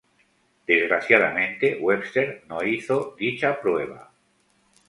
Desgraciadamente, Webster no hizo dicha prueba.